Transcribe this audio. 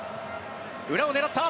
裏を狙った。